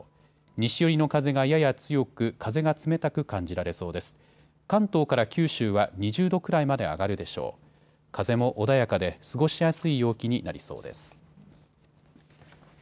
西寄りの風がやや強く風が冷たく感じられそうです。